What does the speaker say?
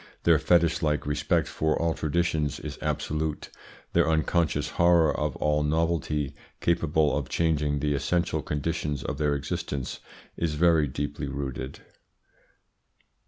Their fetish like respect for all traditions is absolute; their unconscious horror of all novelty capable of changing the essential conditions of their existence is very deeply rooted.